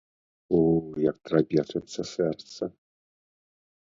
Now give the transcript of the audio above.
У, як трапечацца сэрца.